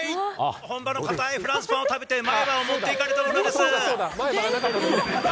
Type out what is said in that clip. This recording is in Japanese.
本場の堅いフランスパンを食べて、前歯を持っていかれた者です。